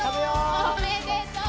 おめでとう！